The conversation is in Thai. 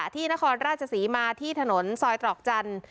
ที่นครราชศรีมาที่ถนนซอยตรอกจันทร์